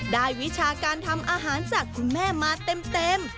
วิชาการทำอาหารจากคุณแม่มาเต็ม